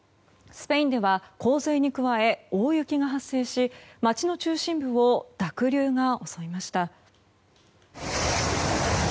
スペインでは洪水に加え、大雪が発生し町の中心部を濁流が襲いました。